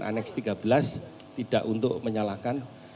aneks tiga belas tidak untuk menyalahkan